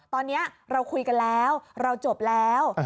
ตอนนี้เราคุยกันแล้วเราจบแล้ว